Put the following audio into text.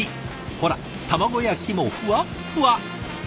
ほら卵焼きもふわっふわ！